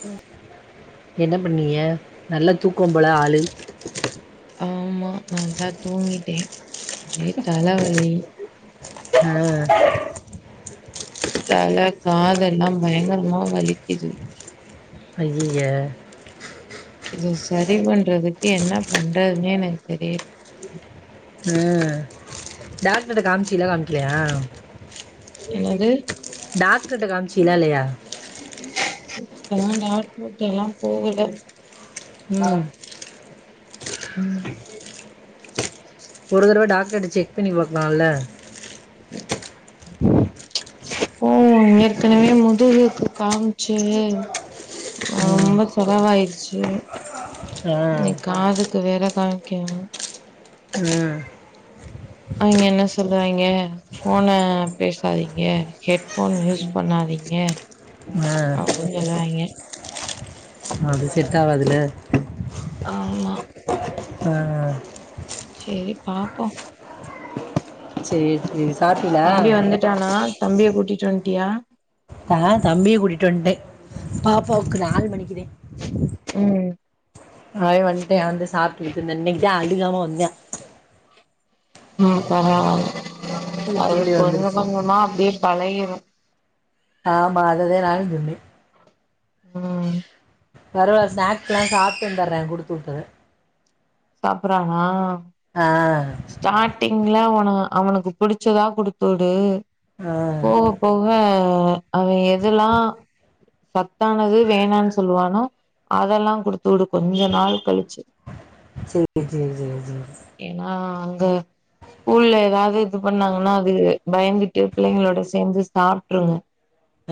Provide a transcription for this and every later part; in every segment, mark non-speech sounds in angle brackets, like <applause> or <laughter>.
சேரி என்ன பண்ணீங்க நல்ல தூக்கம் போல ஆளு? ஆமா நல்லா தூங்கிட்டே ஒரே தல வலி ஆ தல காதெல்லா பயங்கரமா வலிக்குது ஐயயே இது சரி பண்றதுக்கு என்ன பண்றதுன்னே எனக்கு தெரியல ஆ டாக்டருகிட்ட காமிச் சீங்களா காமிக்கலயா? என்னது? டாக்ட்ருகிட்ட காமிச்சீங்களா இல்லையா? இதுக்கல்லா டாக்ட்ருகிட்ட எல்லா போகல ஆ ம் ம் ஒரு தடவ டாக்டர்கிட்ட செக் பண்ணி பாக்கலா இல்ல? ப்போ ஏற்கனவே முதுகுக்கு காம்ச்சு ம் ரொம்ப செலவாயிரு ச்சு ஆ க்கு வேற காமிக்கணு. ம் அவிங்க என்ன சொல்வாய்ங்க ஃபோன பேசாதீங்க ஹெட்ஃபோன் யூஸ் பண்ணாதீங்க ஆ அப்டின்னு சொல்லுவாய்ங்க அது செட் ஆகாது இல்ல ஆமா ஆ செரி பாப்போ செரி செரி தம்பி வந்துட்டானா? தம்பிய கூட்டிட்டு வன்ட்டியா? ஆ தம்பிய கூட்டிட்டு வன்டே பாப்பாவுக்கு நாலு மணிக்குதே ம் அவ வன்ட்டே வந்து சாப் ட்டுக்கிட்ருந்தா இன்னக்கிதா அழுகாம வந்தா ம் பரவால்ல அது சிரிச்சுக்கிட்டே கொஞ்ச வந்துடுச்சு கொஞ்சமா அப்டியே பழகிரு ஆமா அதுதா நானுஞ் சொன்னே ம் பரவால்ல ஸ்நாக்ஸ் எல்லா சாப்ட்டு வந்துர்றா குடுத்து உட்டத சாப்பட்றானா? ஆ ஸ்டார்ட்டிங்ல அவனு அவனுக்கு புடிச்சதா குடுத்து விடு ஆ போக போக ஆ அவ எதல்லா சத்தானது வேணான்னு சொல்வானோ அதெல்லா குடுத்து விடு கொஞ்ச நாள் கழிச்சு சேரி சேரி சேரி சேரி சே து ஸ்கூல்ல ஏதாவது இது பண்ணாங்கன்னா அது பயந்துட்டு பிள்ளைங்களோட சேந்து சாப்ட்ருங்க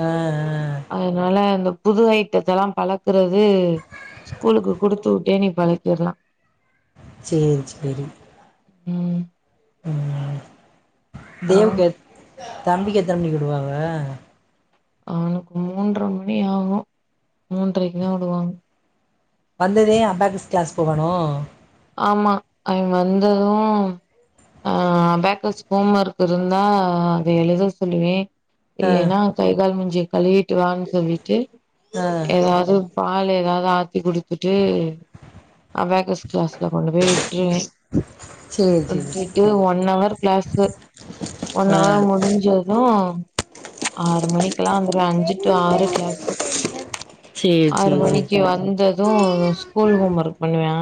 ஆ ஆ அதனால அந்த புது ஐட்டத்த எல்லாம் பழக்குறது ஸ்கூலுக்கு குடுத்து விட்டே நீ பழக்கிறலா சேரி சேரி ம் ம் அப்றோ தேவுக்கு எத் தம்பிக்கு எத்தன மணிக்கு விடுவாங்க? அவனுக்கு மூன்ற மணி ஆகு மூன்றைக்குதா உடுவாங்க வந்ததே அபாகஸ் கிளாஸ் போவானோ? ஆமா அவ வந்தது ஆ அபாக்கஸ் ஹோம் ஒர்க் இருந்தா அத எழுத சொல்லுவே ஆ இல்லைன்னா கை கால் மூஞ் சிய கழுவி ட்டு வான்னு சொல்லிட்டு ஆ ஏதாவது பால் ஏதாவது ஆத்தி குடுத்துட்டு அபாகஸ் ல கொண்டு போய் விட்ருவே சேரி சேரி விட்டுட்டு ஒன் அவர் கிளாஸு ஒன் ஆ அவர் முடிஞ்சது ம் ஆறு மணி க்லா வந்துருவா அஞ்சு டு ஆறு கிளாஸு சேரி ஆறு சேரி சேரி மணிக்கு வந்தது ஸ்கூல் ஹோம் ஒர்க் பண்ணுவா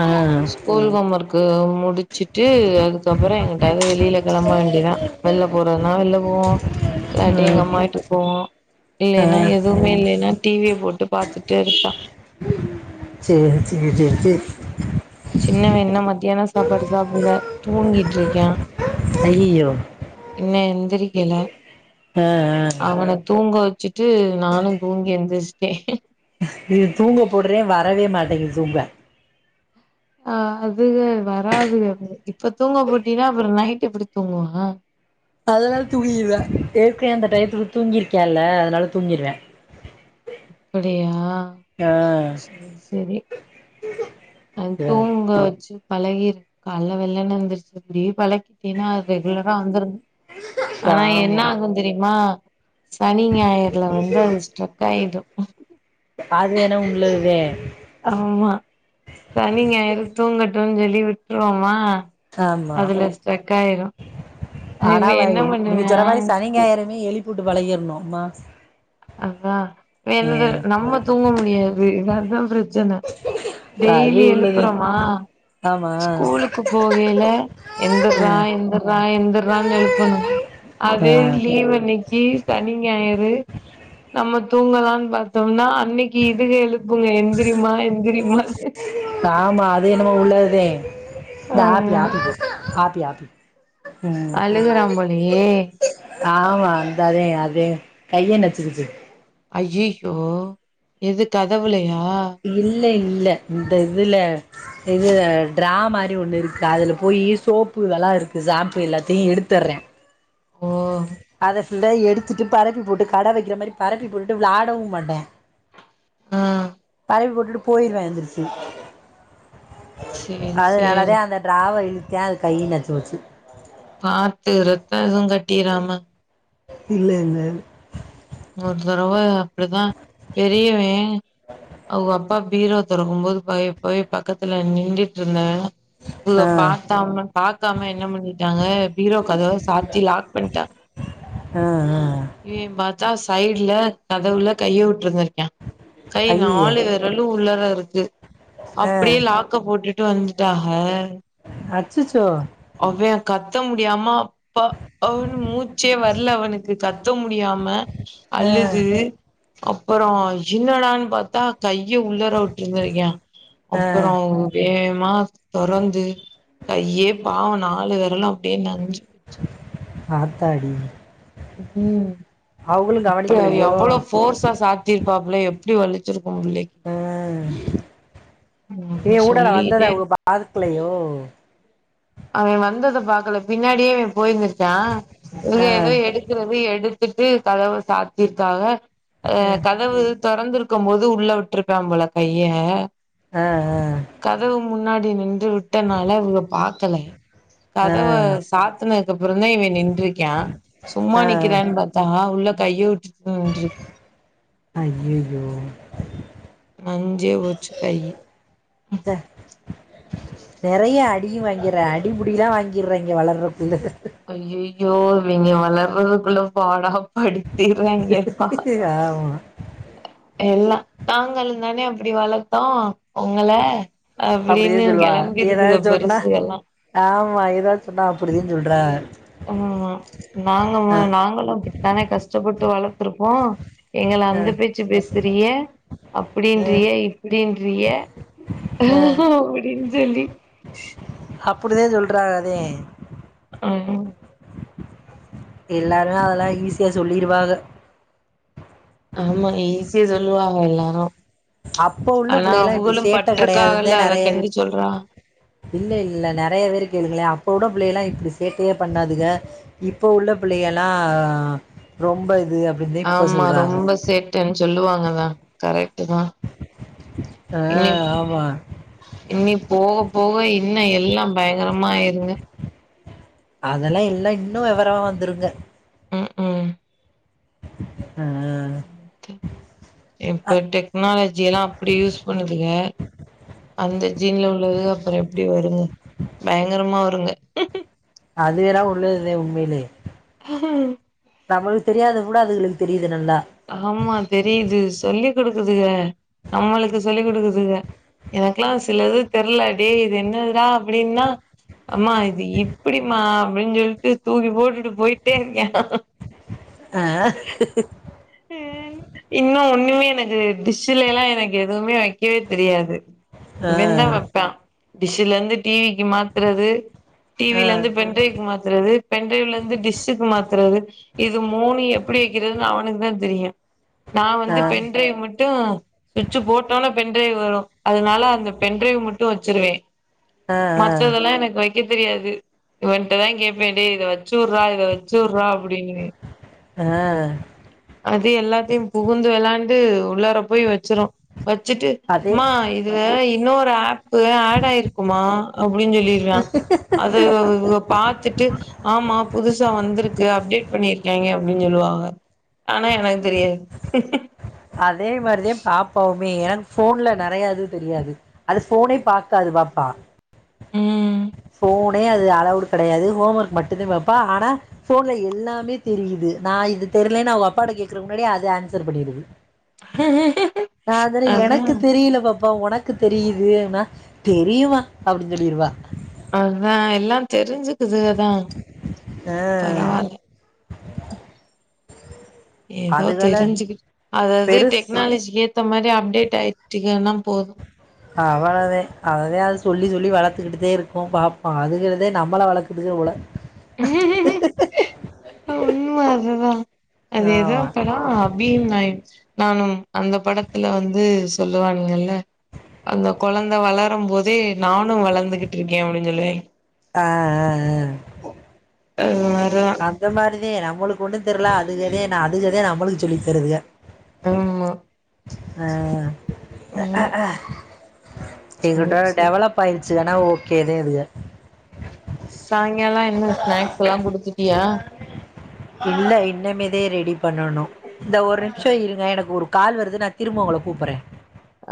ஆ ஸ்கூல் ஹோம் ஒர்க் கு முடிச்சுட்டு அதுக்கப்புறோ எங்கிட்டாவது வெளில கெளம்ப வேண்டியதா வெளில போறதுனா வெளில போவோ இல்லாட்டி ம் எங்க அம்மா வீட்டுக்கு போவோ ஆ இல்லைன்னா எதுவுமே இல்லைன்னா டி வி ய போட்டு பாத்துட்டு இருப்பா சேரி சேரி சேரி சேரி சின்னவ என்னன்னா மத்தியான சாப்பாடு சாப்படல தூங்கிட்ருக்கா ஐயயோ இன்னு எந்திரிக்கல ஆ அவன தூங்க வச் சிட்டு நானு தூங்கி எந்துரிச்சிட்டே இது தூங்க போடுறே வரவே மாட்டேங்குது தூங்க ஆ அதுக வராதுக எப்பவு இப்ப தூங்க போட்டயினா அப்புறோ நைட் எப்படி தூங்குவா? அதல்லா தூங்கிருவா ஏற்கனவே அந்த டயத்துக்கு தூங்கிருக்கான்ல அதனால தூங்கிருவா அப்டியா செரி செரி அ தூங்க வச்சு பழகிரு காலைல வெள்ளன்னு எந்திருச்சு இப்டியே பழ கினா ரெகுலரா வந்திரும் ஆனா ஆமா என்ன ஆகும் தெரியுமா சனி ஞாயிறுல வந்து அது ஐ தோ அது வேணா உள்ளதுதா ஆமா ம் சொல்லி விட்டுருவோமா ஆமா அதுல ஸ்ட்ரக் ஆயிரும் ஆனா <unintelligible> நீங்க சொன்னா மாரி சனி ஞாயிறுமே எழு ப்பிவிட்டு பழகிடனும் மா அதான் வேறது நம்ம தூங்க முடியாது அதான் பிர ச்சனை அது டெய்லி உள்ளது எழுப்புறோமா ஆமா ஸ்கூலுக்கு போகயில எந்திரா ம் எந்திரா எந் திரானு எழுப் பானும் ஆ அதே லீவ் அன்னைக்கு சனி ஞாயிறு <inaudible> நம்ம தூங்கலாம்னு பாத்தோம்னா அன்னைக்கு இதுக எழு ப்புங்க எந்திரிமா எந்திரிமானு ஆமா அது என்னமோ உள்ளதே இந்த ஆப்பி ஆப்பி ஜூஸ் ஆப்பி ஆப்பி ம் அழுகுறா போலயே ஆமா அந்த தே அ கைய நச்சுகிச்சு அய்யோ எது கதவுலையா இல்லை இல்ல இந்த இதுல இது டிரா மாரி ஒண்ணு இருக்கு அதுல போயி சோப்பு எல்லா இருக்கு ஷாம்பு எல்லாத்தையும் எடுத்துடுறன் ஓ அத இல்ல எடுத்துட்டு பரப்பி போட்டு கடை வைக்கிற மாரி பரப்பி போட்டுட்டு விளாடவும் மாட்டான் ஆ பரப்பி போட்டுட்டு போயிருவன் எந்திரிச்சு சேரி அதனால சேரி தா அந்த ட்ராவ இ <unintelligible> கை நச்சோச்சு பாத்து ரத்தம் எதுவும் கட் டிராம இல்ல இல்ல ஒரு தடவ அப்டி தா பெரியவேன் ம் ஒ அப் அப்பா பீரோ தொறக்கும்போது பய போய் பக்கத்துல நிண்டிட்ருந்தே ஆ <unintelligible> பாத்தாம பாக்காம என்ன பண்ணிட்டாங்க பீரோ கதவ சாத்தி லாக் பண்ணிட்டாங்க ஆ ஆ திம்பி பாத்தா சைடுல கதவுல கைய விட்ருந்திருக்யா கை ஐயய்ய நாலு வெறலு உள்ள ள்ளருக்கு ஆ அப்டியே லாக்க போட்டுட்டு வந்துட்டாக சச்சோ அவே கத்த முடியாம ப அவ்னு மூச்சே வரல அவனுக்கு கத்த முடியாம ஆ அழுது அப்பறோ என்னடானு பாத்தா கைய உள்ளாற விட்ருந்திருக்யா ஆ அப்பறோ வேகமா தொறந்து யேபா வோ நாலு வெறளு அப்டியே நஞ்சு ஆத்தாடி உஹு அவங்களு இப்ப கவனிக்கலையோ எவ்ளோ ஃபோர்ஸா சாத்திருப்பாப்ல எப்டி வலிச் உ ஏ ம் ஊடால வந்தத சொல்லிட்டே அவுக பாக்கலையோ அவே வந்தத பாக்கல பின்னாடியே இவே போயிருந்திருக்யா இங்க ஆ எதோ எடுக்கறது எடு கிட்டு கதவ சாத்திருக்காக அ ஆ கதவு தொறந்துரு ருக்கும்போது உள்ள விட்ருப்பாய்ம்போல கைய ஆ கதவு முன்னாடி நி இவ விட்டனால இவக பாக் கலே ஆ கதவ ஆ சாத்துனக்கப்புறந்தா இவே நின்றுக்கா சும்மா நிக்கிறானு பாத்தா உள்ள கைய வச்சு அய்யய்யோ நஞ்சே போச்சு கையு நெறையா அடியு வாங்கிர்ரா அடிபுடிலா வாங்கிர்ராங்க வளர்ரகு இல்ல யோ இவங்கே வளர்துக்குள்ள பாடா அப் படுத்திறாங்கப்பா ஆமா எல்லா நாங்களும் தானே அப் அப்டி வளத்தோம் உங்கள அப்டின்னு அப்டின் சொல்லுவாங்க கெளம்பிருதுக ஏதாது சொன்னா பெருசுக எல்லா ஆமா ஏதாது சொன்னா அப்டிதே சொல் <unintelligible> உம்மா நாங்க நாங்களு அப்படித்தானே கஷ்டப்பட் வளத்துருப்போம் எங்கள ஆ அந்த பேச்சி பேசுறியகே ஆ அப்டின்றிகே இப்டின் ரியே ஆ <unintelligible> அப்படின் சொல்லி ச்சு அப்படிதா சொல்றாக அதெ அஹா எல்லாரு அதெல்லா ஈஸியா சொல்லிருவகா ஆமா ஈஸியா சொல்லுவங்க எல்லாரும். அப்ப உள்ள பிள்ளைகள்ள இப்டி சேட்டை கிடையாதுந்தா பட்ருக்காகல்ல அத நறைய கண்டி சொல்றா இல்ல இல்ல நறைய பேர கேளுங்கல அப்ப கூட பிள்ளைகல்லா இப்டி சேட்டையே பண்ணாதுக இப்ப உள்ள பிள்ளைகல்லா ஆ ஆ ரொம்ப இது அப்படின்னு தான் இப்போ ஆமா சொல்கிறாங்க ரொம்ப சேட்டன் சொல்லுவாங்கதா கரெட் கே வா ஆ இனி ப் ஆமாம் இனி போக போக இன்னும் எல்லாம் பயங்கரம் ம்மா இருங்க அதெல்லா இல்ல இன்னும் விவரமா வந்துருகா ம் ம் ஆஹ இப்ப டெக்னாலஜி எல்லா அப்டி யூஸ் பண்ணுதுக அந்த ஜீன் ல உள்ளதுக அப்புறம் எப்டி வருங் பயங்கரமா வ ருங்க மேலே ஹாய் நமளுக் தெரியாத கூட அதுங்களுக்கு தெரியுது நல்லா ஆமா தெரியுது சொல்லிக் குடுக்குதுக நம்மளுக் சொல்லி் குடுக்குதுக எனக்கல்ல சிலது தெர்ல டாய் இது என்னது டா அப்டின்னா அம்மா இது இப்டிமாம் அப்டின் சொல்ட்டு தூக்கி போட்டுட்டு போயிட்டே இருக்கே <inaudible> இன்னு ஒண்ணுமே எனக்கு டிஷ்ல எல்லா எனக்கு எதுமே வைக்கவே தெரியாது ஆ வென்ன வெப்பே டிஷ்ஷூலந்து டி விக்கு மாத்தறது டி ஆ வில ந்து பென் டிரைவ்க் மாத்தறது பென் டிரைவ்ல ந்து டிஷ்க்கு மாத்தறது இது மூணு எப்டி வைக்கறதுன் அவனுக் தெரியு நா ஆ வந்து பெண் ட்ரைவ் மட்டு சுவிச்சு போட்டோன பென் டிரைவ் வரு அதுனால அந்த பென் டிரைவ் மட்டு வச்சிருவே ஆ ஆ மத்ததெல்லா எனக்கு வெக் இது தெரியாது இவன்டதா கேப்பே டே இத வச்சுர்றா இத வச்சுர்றா அப்படின்னு ஆ அது எல்லாத்தையு புகுந்து விளாண்டு உள்ளார போய் வச் சிரு வச்சுட்டு அதே மா இதுல இ இன்னொரு ஆப்பு ஆடாய்ருக்குமா அப்படின்னு சொல்லிடுறான் அது பாத்துட்டு ஆமா புதுசா வந்திருக்கு அப்டேட் பண்ணிருக்கேங்க அப்டினு சொல்லுவாக ஆனா என்னனு தெரியாது அதே மாரிதா பாப்பவுமே எனக்கு ஃபோன்ல நெறைய இது தெரியாது அது ஃபோனே பாக்காது பாப்பா உ ஃபோனே அது அளவுடு கெடையாது ஹோம் ஒர்க் மட்டுதா பாப்பா ஆனா ஃபோன்ல எல்லாமே தெரியுது நா இது தெர்லன்னு அவ அப்பாட கேக்குறக்கு முன்னாடியே அது ஆன்சர் பண்ணிருது ஆ அதான அதா எனக்கு தெரியல பாப் பா ஒனக்கு தெரியுது னா தெரியுமா அப்டினு சொல்லிருவா அதா எல்லா தெரிஞ்சுக்குதுக தா ஆ பரவால்ல ஏதோ அதுகள தெரிஞ்சுக்கிட்டு அது அது பெருசு டெக்னாலஜிலே த்த மாரி அப்டேட் ஆயிர்சுகனா அவளதே அதா அது சொல்லி சொ ல்லி வளத்துக்கிட்டு தே இருக்கோ பாப்போ அதுங்கலுதே நம்மள வளக்குதுக போல உஹு உ உண்ம அதுதா அதுஏதோ ஆமா படோ அபியும் நாயும் நானும் அந்த படத்துல வந்து சொல்லுவாங்கல்ல அந்த கொழந்த வளரம்போதே நானு வளந்துகிட்டு இருக்கே அப்டினு சொல்லுவாங்கே ஆ ஆ ஆ ஆ <inaudible> அந்த மாரிதே நம் மளுக்கு ஒண்ணு தெரில அதுகதே நா அதுகதே நம்மளுக்கு சொல்லி தருதுக ஆமா ஆ ஆ ம் ஆ ஆ சேரி எங்கிட்டோ சேரி டெவலப் ஆயிரு சிலனா ஓகேதே இதுக நீ எல்லா என்ன ஸ்நாக்ஸ் எல்லா குடுத்துட்டியா தே ரெடி பண்ணணு இந்த ஒரு நிமிஷோ இருங்க எனக்கு ஒரு கால் வருது நா திரும்ப ஒங்கள கூப்பற்றே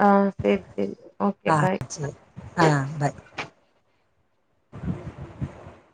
ஆ சேரி சேரி ஓகே பய் சேரி ஆ பாய் <inaudible>